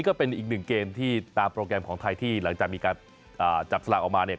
ก็เป็นอีกหนึ่งเกมที่ตามโปรแกรมของไทยที่หลังจากมีการจับสลากออกมาเนี่ย